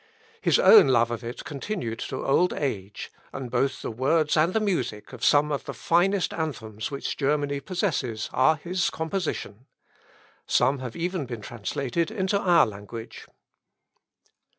His own love of it continued to old age, and both the words and the music of some of the finest anthems which Germany possesses are his composition. Some have even been translated into our language.